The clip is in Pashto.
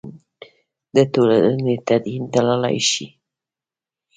د ټولنې تدین تللای شي.